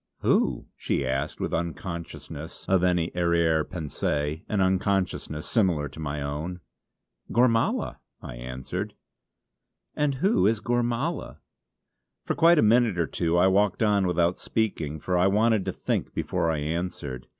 "Who?" she asked with unconsciousness of any arrière pensée, an unconsciousness similar to my own. "Gormala!" I answered. "And who is Gormala?" For quite a minute or two I walked on without speaking, for I wanted to think before I answered.